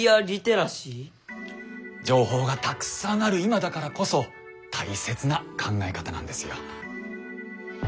情報がたくさんある今だからこそ大切な考え方なんですよ。